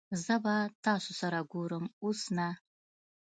زه به تاسو سره ګورم اوس نه